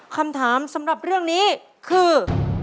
คำถามสำหรับเรื่องนี้คือ